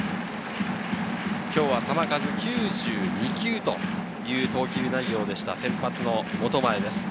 今日は球数９２球という投球内容でした、先発・本前です。